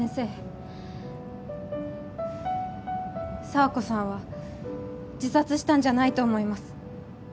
佐和子さんは自殺したんじゃないと思います